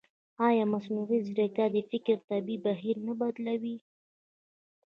ایا مصنوعي ځیرکتیا د فکر طبیعي بهیر نه بدلوي؟